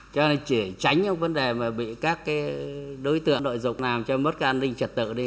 cho nên chỉ tránh những vấn đề mà bị các đối tượng nội dục làm cho mất an ninh trật tự đi